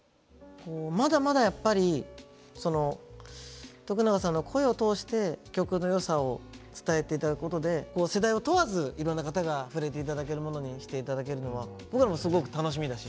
まだまだやっぱりその永さんの声を通して曲のよさを伝えて頂くことで世代を問わずいろんな方が触れて頂けるものにして頂けるのは僕らもすごく楽しみだし。